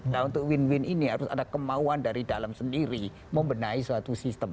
nah untuk win win ini harus ada kemauan dari dalam sendiri membenahi suatu sistem